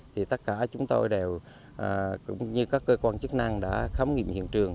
thì tất cả chúng tôi đều cũng như các cơ quan chức năng đã khám nghiệm hiện trường